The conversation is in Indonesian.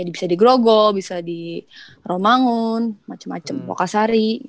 kayak bisa di grogo bisa di romangun macem macem wokasari